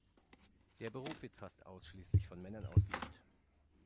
Der Beruf wird fast ausschließlich von Männern ausgeübt.